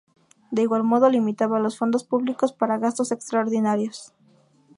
De igual modo, limitaba los fondos públicos para gastos extraordinarios.